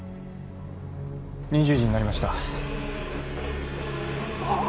２０時になりましたあっ